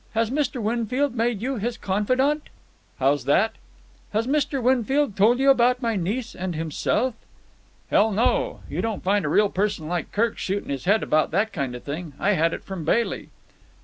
Has Mr. Winfield made you his confidant?" "How's that?" "Has Mr. Winfield told you about my niece and himself?" "Hell, no! You don't find a real person like Kirk shooting his head about that kind of thing. I had it from Bailey."